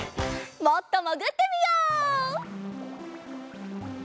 もっともぐってみよう！